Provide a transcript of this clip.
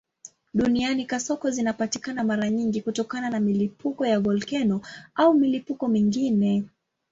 Duniani kasoko zinapatikana mara nyingi kutokana na milipuko ya volkeno au milipuko mingine.